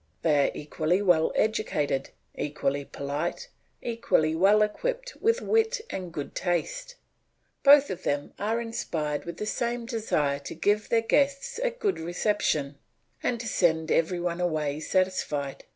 They are equally well educated, equally polite, equally well equipped with wit and good taste, both of them are inspired with the same desire to give their guests a good reception and to send every one away satisfied.